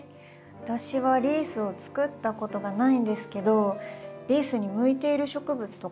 私はリースを作ったことがないんですけどリースに向いている植物とかってあるんですか？